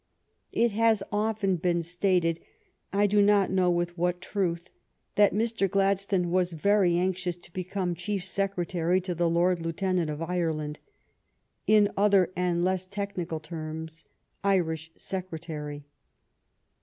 It has often been stated, I do not know with what truth, that Mr. Gladstone was very anxious to be come Chief Secretary to the Lord Lieutenant of Ireland — in other and less technical terms, Irish Secretary.